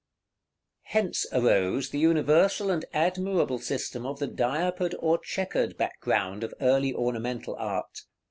Hence arose the universal and admirable system of the diapered or chequered background of early ornamental art.